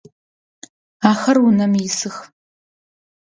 Ахэр унэм исых.